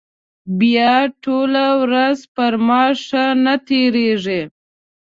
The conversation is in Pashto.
بیا ټوله ورځ پر ما ښه نه تېرېږي.